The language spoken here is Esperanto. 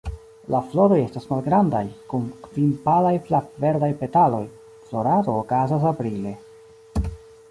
La floroj estas malgrandaj, kun kvin palaj flav-verdaj petaloj; florado okazas aprile.